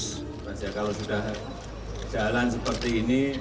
supaya kalau sudah jalan seperti ini